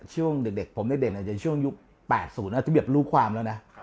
ช่วงเด็กผมเด็กจะช่วงยุค๘๐อธิบยภรูความแล้วนะ